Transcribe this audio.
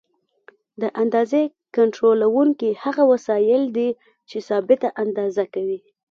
د اندازې کنټرولونکي هغه وسایل دي چې ثابته اندازه کوي.